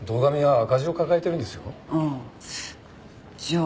ああ。